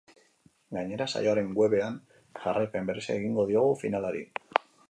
Gainera, saioaren webean jarraipen berezia egingo diogu finalari.